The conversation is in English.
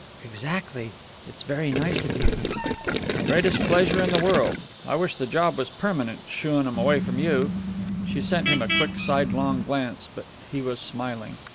"Exactly. It's very nice of you." "Greatest pleasure in the world. I wish the job was permanent shooing 'em away from you." She sent him a quick sidelong glance, but he was smiling.